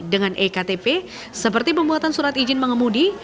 dengan ektp seperti pembuatan surat izin mengemudi